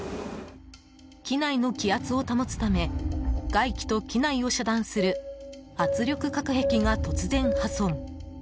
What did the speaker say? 機内の気圧を保つため外気と機内を遮断する圧力隔壁が突然破損。